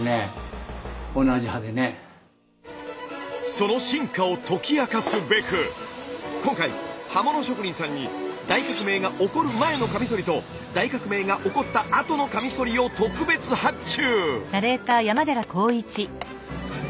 その進化を解き明かすべく今回刃物職人さんに大革命が起こる前のカミソリと大革命が起こったあとのカミソリを特別発注！